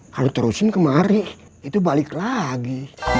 kalau terusin kemari itu balik lagi